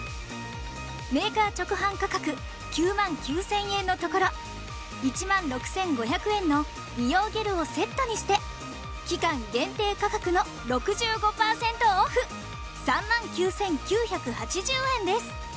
メーカー直販価格９万９０００円のところ１万６５００円の美容ゲルをセットにして期間限定価格のこの機会にぜひあらららあぁガッシリくる。